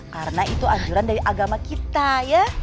karena itu anjuran dari agama kita ya